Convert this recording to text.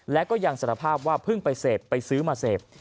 และก็ยังสารภาพว่าเพิ่งไปเสพไปซื้อมาเสพ